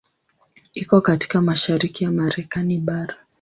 Iko katika mashariki ya Marekani bara.